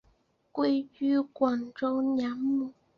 归居广州养母。